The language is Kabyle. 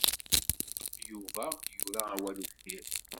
Yuba yura awal uffir.